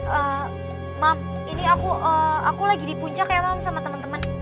eee mak ini aku ee aku lagi di puncak ya mam sama temen temen